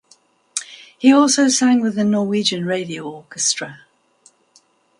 He also sang with the Norwegian Radio Orchestra.